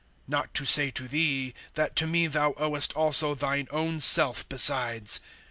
Not to say to thee, that to me thou owest also thine own self besides.